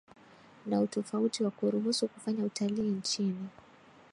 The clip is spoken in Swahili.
na utofauti na kuruhusu kufanya utalii nchini